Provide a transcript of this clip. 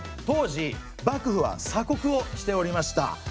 当時幕府は鎖国をしておりました。